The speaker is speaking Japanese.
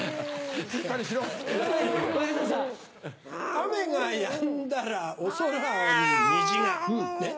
雨がやんだらお空に虹がねっ。